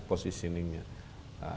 kita harus berbalik